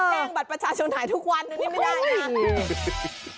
แห้งบัตรประชาชนหายทุกวันอันนี้ไม่ได้นะ